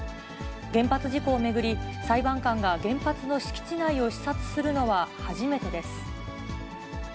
原発事故を巡り、裁判官が原発の敷地内を視察するのは初めてです。